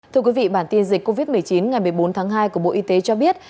thưa quý vị bản tin dịch covid một mươi chín ngày một mươi bốn tháng hai của bộ y tế cho biết